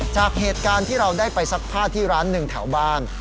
จากเหตุการณ์ที่เราได้ไปซักผ้าที่ร้านหนึ่งแถวบ้าน